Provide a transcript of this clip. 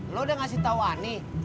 lo udah ngasih tau ani